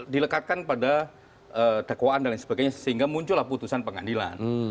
dilekatkan pada dakwaan dan lain sebagainya sehingga muncullah putusan pengadilan